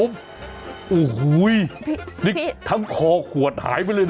นี่ทั้งคอขวดหายไปเลยนะ